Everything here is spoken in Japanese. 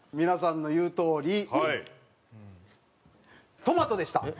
皆さんの言うとおりトマトでした。